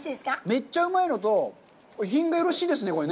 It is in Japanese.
めっちゃうまいのと、品がよろしいですね、これ。